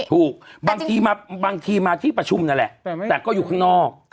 บางทีบางทีมาที่ประชุมนั่นแหละแต่ก็อยู่ข้างนอก